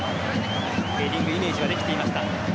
ヘディングイメージはできていました。